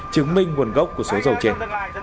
chứng minh nguồn gốc của số dầu trên